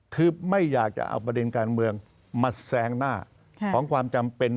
คือไม่อยากจะเอาประเด็นการเมืองมาแซงหน้าของความจำเป็น